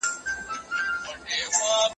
د تاريخي امتداد پوهه تر لنډې پوهي ګټوره ده.